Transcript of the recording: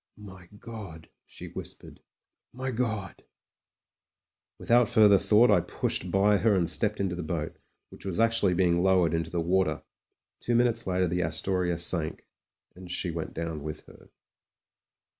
"My God !" she whispered. "My God !" Without further thought I pushed by her and stepped into the boat, which was actually being low ered into the water. Two minutes later the Astoria sank, and she went down with her.